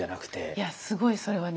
いやすごいそれはね